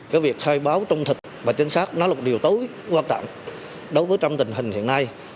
cái việc khai báo trung thực và chân sát là điều tối quan trọng đối với trong tình hình hiện nay